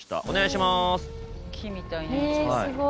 お願いします。